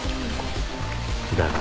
だが